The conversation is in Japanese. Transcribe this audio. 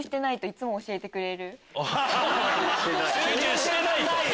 いつも教えてくれる。